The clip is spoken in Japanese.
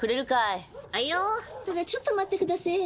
ただちょっと待ってくだせえ。